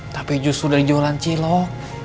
tapi justru dari jualan cilok